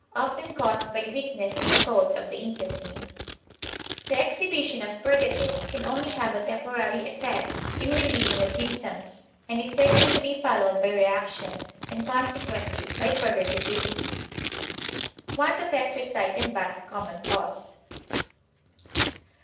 Often caused by weakness in the coats of the intestine. The exhibition of purgatives can only have a temporary effect in relieving the symptoms, and is certain to be followed by reaction, and consequently by further debility. Want of exercise and bath common cause.